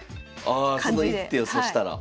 ああその一手を指したら？